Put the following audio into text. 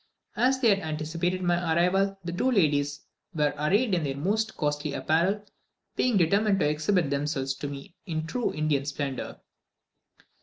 As they had anticipated my arrival, the two ladies were arrayed in their most costly apparel; being determined to exhibit themselves to me in true Indian splendour.